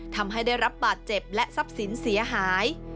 ทำให้ได้รับบาดเจ็บและทรัพย์สินเสียหาย